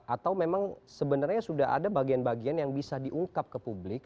atau memang sebenarnya sudah ada bagian bagian yang bisa diungkap ke publik